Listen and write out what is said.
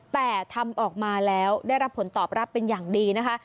แต่ทำออกมาแล้วได้รับผลตอบรับเป็นอย่างดีนะคะ